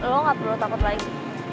lo gak perlu takut lagi